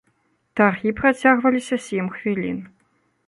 Таргі працягваліся сем хвілін.